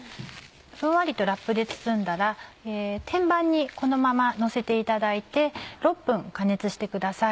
ふんわりとラップで包んだら天板にこのままのせていただいて６分加熱してください。